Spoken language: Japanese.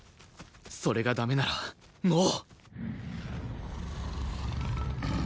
それが駄目ならもう